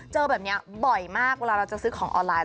เจอแบบนี้บ่อยมากเวลาเราจะซื้อของออนไลน